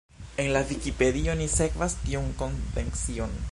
En la Vikipedio ni sekvas tiun konvencion.